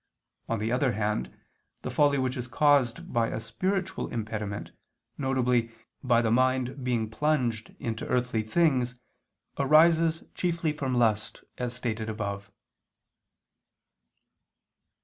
On the other hand the folly which is caused by a spiritual impediment, viz. by the mind being plunged into earthly things, arises chiefly from lust, as stated above.